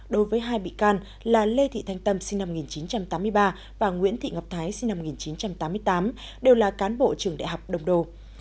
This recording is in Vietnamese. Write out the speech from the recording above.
đối với hai bị can là lê thị thanh tâm sinh năm một nghìn chín trăm tám mươi ba và nguyễn thị ngọc thái sinh năm một nghìn chín trăm tám mươi tám đều là cán bộ trường đại học đông đô